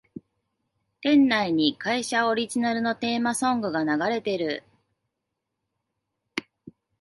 店内に会社オリジナルのテーマソングが流れてる